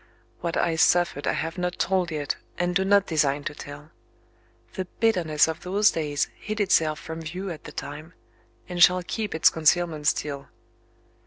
What I suffered I have not told yet, and do not design to tell. The bitterness of those days hid itself from view at the time and shall keep its concealment still.